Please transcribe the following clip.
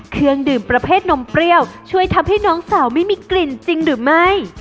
เครื่องดื่มประเภทนมเปรี้ยวช่วยทำให้น้องสาวไม่มีกลิ่นจริงหรือไม่